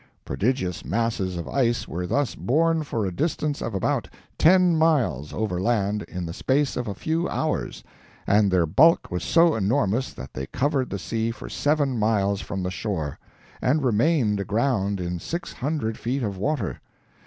Prodigious masses of ice were thus borne for a distance of about ten miles over land in the space of a few hours; and their bulk was so enormous that they covered the sea for seven miles from the shore, and remained aground in six hundred feet of water!